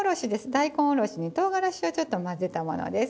大根おろしに唐辛子をちょっと混ぜたものです。